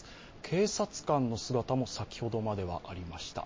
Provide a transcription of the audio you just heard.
警察官の姿も、先ほどまではありました。